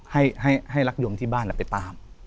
ให้รักยมที่บ้านไปตาม